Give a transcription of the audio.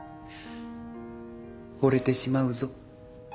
惚れてしまうぞ。